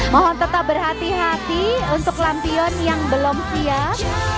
mohon tetap berhati hati untuk lampion yang belum siap